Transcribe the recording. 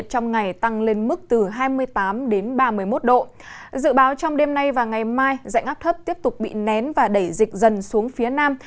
dự báo trong đêm nay và ngày mai dạnh áp thấp tiếp tục bị nén và đẩy dịch dần xuống phía nam